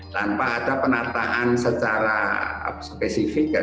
tanpa ada penataan secara spesifik